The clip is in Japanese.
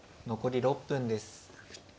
残り６分です。